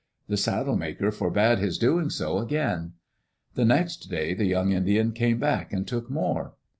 The saddle maker forbade his doing so again. The next day the young Indian came back and took more.